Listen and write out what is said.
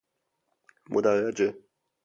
مدرجه